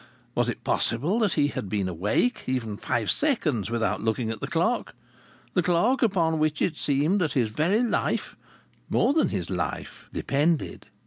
Was it possible that he had been awake even five seconds without looking at the clock the clock upon which it seemed that his very life, more than his life, depended?